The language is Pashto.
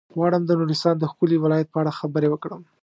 غواړم د نورستان د ښکلي ولايت په اړه خبرې وکړم.